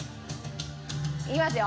いきますよ。